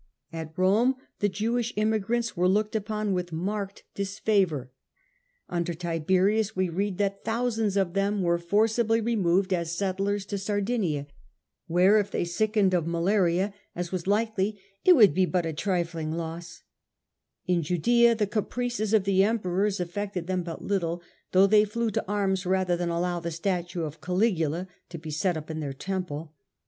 At Rome the Jewish iiriiiiigrants were looked upon with marked disfavour A.D. 69 79. Vespasian, M7 A.D. 66. A hasty rising at Jcnisalcm spread widely till Under Tiberius we read that thousands of them were forcibly removed as settlers to Sardinia, where if they sickened of malaria, as was likely, it would be but a trifling loss. In Judaea the caprices of the Emperors affected them but little, though they flew to arms rather than allow the statue of Caligula to be set up in theii Temple.